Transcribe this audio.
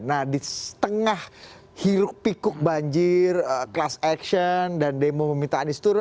nah di setengah hiruk pikuk banjir class action dan demo meminta anies turun